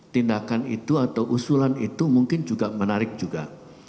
tindakan itu atau usulan itu mungkin juga menarik juga